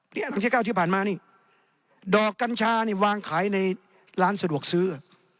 อันที่เก้าที่ผ่านมานี่ดอกกัญชานี่วางขายในร้านสะดวกซื้อ